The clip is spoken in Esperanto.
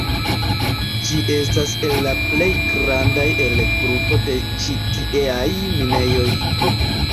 Ĝi estas el la plej grandaj el grupo de ĉi tieaj minejoj.